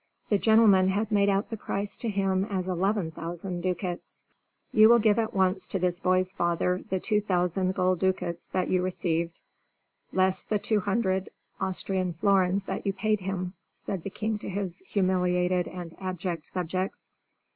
The gentleman had made out the price to him as eleven thousand ducats. "You will give at once to this boy's father the two thousand gold ducats that you received, less the two hundred Austrian florins that you paid him," said the king to his humiliated and abject subjects.